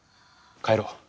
帰ろう。